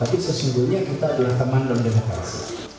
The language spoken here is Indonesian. tapi sesungguhnya kita adalah teman dalam demokrasi